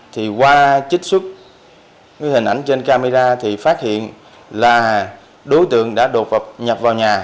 thì qua trích xuất cái hình ảnh trên camera thì phát hiện là đối tượng đã đột nhập vào nhà